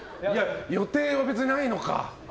予定は別にないのか。